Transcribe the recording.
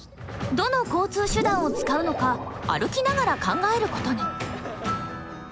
どの交通手段を使うのか歩きながら考えることに。